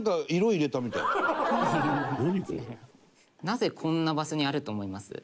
なぜこんな場所にあると思います？